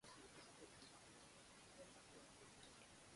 常識的な人が好き